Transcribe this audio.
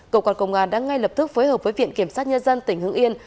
cơ quan công an đã ngay lập tức phối hợp với viện kiểm sát nhân dân tỉnh hưng yên